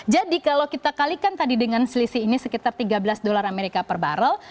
jadi kalau kita kalikan tadi dengan selisih ini sekitar tiga belas dolar amerika per barrel